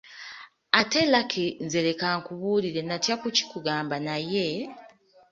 Ate Lucky nze leka nkubuulire natya kukikugamba naye…”.